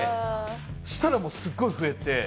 そしたら、すごく増えて。